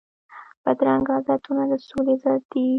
بدرنګه عادتونه د سولي ضد دي